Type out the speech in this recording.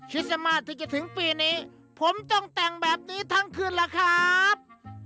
คิดจะมาถึงปีนี้ผมต้องแต่งแบบนี้ทั้งคืนแหละครับ